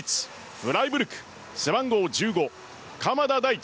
フライブルク背番号１５・鎌田大地